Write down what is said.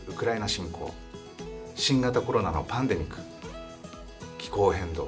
侵攻新型コロナのパンデミック気候変動